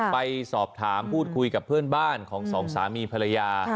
ไปสอบถามพูดคุยกับเพื่อนบ้านของสองสามีภรรยา